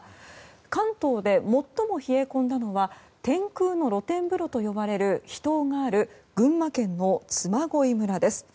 関東で最も冷え込んだのは天空の露天風呂と呼ばれる秘湯がある群馬県の嬬恋村です。